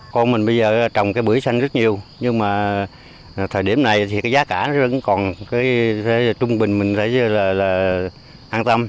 con mình bây giờ trồng bưởi xanh rất nhiều nhưng thời điểm này giá cả vẫn còn trung bình mình thấy an tâm